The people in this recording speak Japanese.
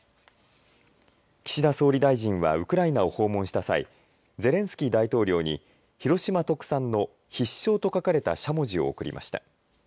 岸田総理大臣はウクライナを訪問した際、ゼレンスキー大統領に広島特産の必勝と書かれたしゃもじを贈りました。